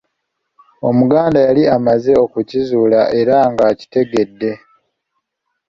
Omuganda yali amaze okukizuula era ng'akitegedde